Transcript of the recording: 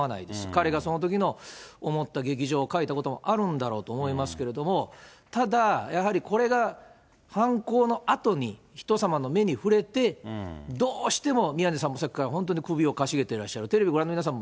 彼がそのときの思った激情を書いたこともあるんだろうと思いますけれども、ただ、やはりこれが犯行のあとに人様の目に触れて、どうしても宮根さんもさっきから本当に首をかしげていらっしゃる、テレビを見てる皆さん